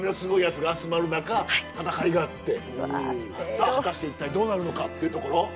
さあ果たして一体どうなるのかっていうところ？